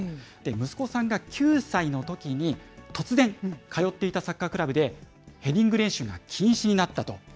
息子さんが９歳のときに、突然、通っていたサッカークラブでヘディング練習が禁止になったと。